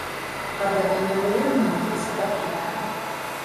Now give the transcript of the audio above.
გაბატონებულია მაკვისი და ფრიგანა.